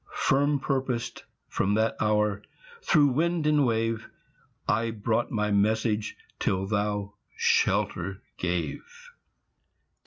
Firm purposed from that hour, through wind and wave, I brought my message till thou shelter gave.